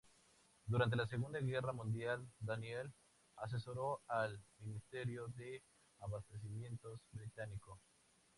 Durante la Segunda Guerra Mundial Daniell asesoró al Ministerio de Abastecimientos británico.